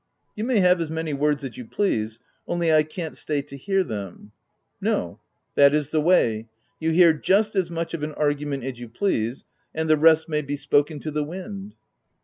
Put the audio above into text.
" You may have as many words as you please, — only I can't stay to hear them." "No; that is the way* : you hear just as much of an argument as you please ; and the rest may be spoken to the wind."